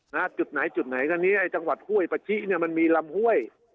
นะฮะจุดไหนจุดไหนทางนี้ไอ้จังหวัดห้วยปะชิเนี่ยมันมีลำห้วย